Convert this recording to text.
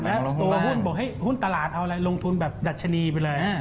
แล้วตัวหุ้นบอกหุ้นตลาดเอาอะไรลงทุนแบบดัชนีไปเลย